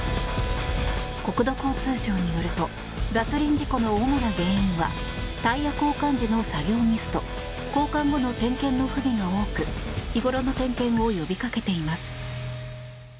国土交通省によると脱輪事故の主な原因はタイヤ交換時の作業ミスと交換後の点検の不備が多く日ごろの点検を呼びかけています。